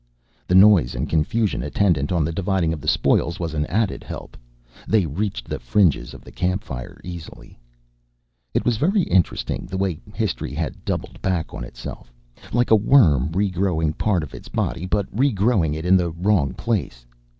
The noise and confusion attendant on the dividing of the spoils was an added help; they reached the fringes of the campfire easily. It was very interesting, the way history had doubled back on itself, like a worm re growing part of its body but re growing it in the wrong place.